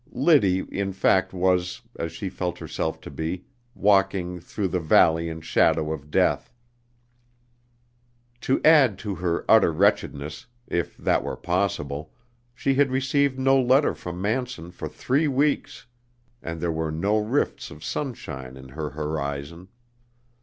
Liddy in fact was, as she felt herself to be, walking "through the valley and shadow of death." To add to her utter wretchedness, if that were possible, she had received no letter from Manson for three weeks, and there were no rifts of sunshine in her horizon.